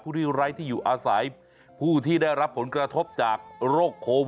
ที่ไร้ที่อยู่อาศัยผู้ที่ได้รับผลกระทบจากโรคโควิด